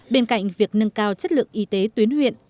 bên cạnh việc nâng cao chất lượng y tế tuyến huyện